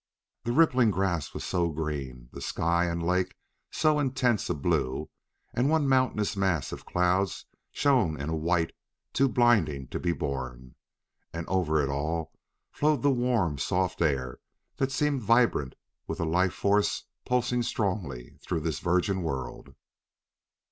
The rippling grass was so green, the sky and lake so intense a blue, and one mountainous mass of cloud shone in a white too blinding to be borne. And over it all flowed the warm, soft air that seemed vibrant with a life force pulsing strongly through this virgin world.